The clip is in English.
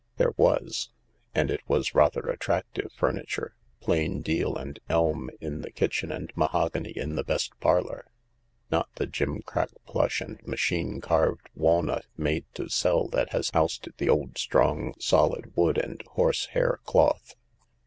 " There was ; and it was rather attractive furniture — plain deal and elm in the kitchen and mahogany in the best parlour — not the girncrack plush and machine carved walnut made to sell that has ousted the old strong, solid wood and horse hair cloth.